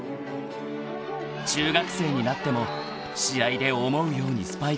［中学生になっても試合で思うようにスパイクが決まらない］